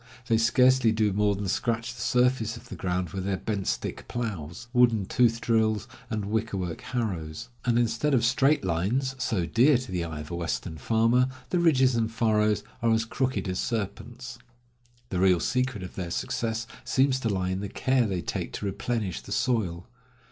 They scarcely do more than scratch the surface of the ground with their bent stick plows, wooden tooth drills, and wicker work harrows; and instead of straight lines, so dear to the eye of a Western farmer, the ridges and furrows are as crooked as serpents. The real secret of their success seems to lie in the care they take to replenish the soil.